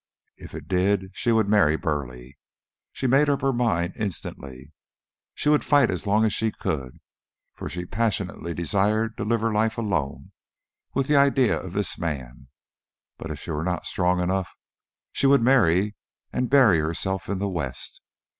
If it did, she would marry Burleigh. She made up her mind instantly. She would fight as long as she could, for she passionately desired to live her life alone with the idea of this man; but if she were not strong enough, she would marry and bury herself in the West.